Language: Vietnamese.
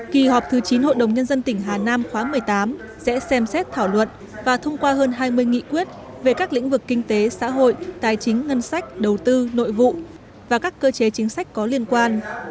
kỳ họp thứ chín hội đồng nhân dân tỉnh hà nam khóa một mươi tám sẽ xem xét thảo luận và thông qua hơn hai mươi nghị quyết về các lĩnh vực kinh tế xã hội tài chính ngân sách đầu tư nội vụ và các cơ chế chính sách có liên quan